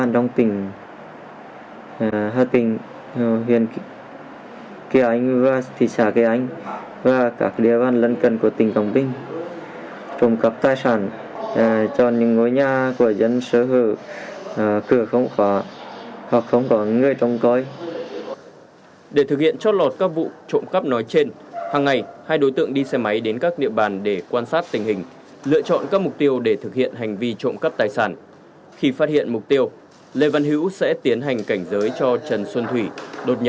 trong thời gian ngắn ban chuyên án đã xác định được đối tượng gây ra các vụ trộm cắp nói trên là trần xuân thủy và lê văn hữu đều trú tại huyện kỳ anh tỉnh hà tĩnh